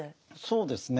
そうですね。